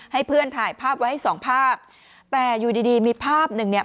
ให้เพื่อนถ่ายภาพไว้ให้สองภาพแต่อยู่ดีดีมีภาพหนึ่งเนี่ย